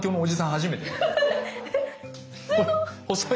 初めて？え？